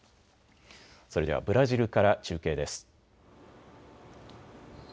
それではブラジルから中継です。